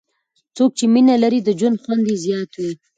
څوک چې مینه لري، د ژوند خوند یې زیات وي.